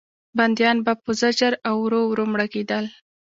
بندیان به په زجر او ورو ورو مړه کېدل.